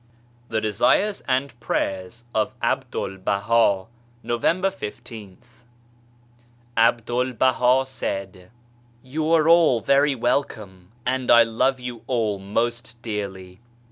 THE DESIfcES AND PRAYERS OF ABDUL BAHA November t$th. A BDUL BAHA said :^ You are all very welcome, and I love you all most dearly.